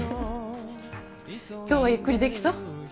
今日はゆっくり出来そう？